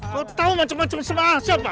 kau tau macem macem siapa